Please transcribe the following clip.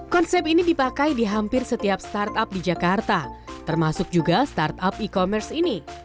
konsep ini dipakai di hampir setiap start up di jakarta termasuk juga start up e commerce ini